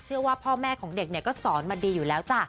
พ่อแม่ของเด็กเนี่ยก็สอนมาดีอยู่แล้วจ้ะ